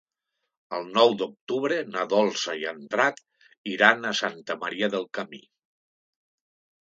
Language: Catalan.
El nou d'octubre na Dolça i en Drac iran a Santa Maria del Camí.